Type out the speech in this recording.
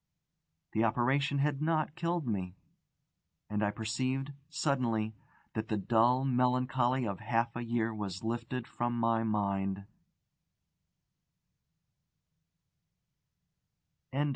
The operation had not killed me. And I perceived, suddenly, that the dull melancholy of half a year was lifted from my mind.